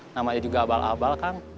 namanya juga abal abal kang